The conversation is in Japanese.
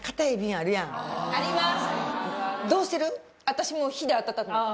私もう火で温めてます。